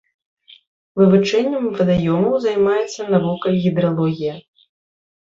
Вывучэннем вадаёмаў займаецца навука гідралогія.